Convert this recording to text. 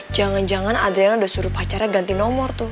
jangan jangan adriana udah suruh pacara ganti nomor tuh